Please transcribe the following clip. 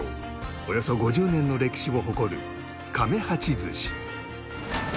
およそ５０年の歴史を誇る亀八寿司。